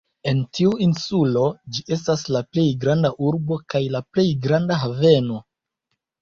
En tiu insulo ĝi estas la plej granda urbo kaj la plej granda haveno.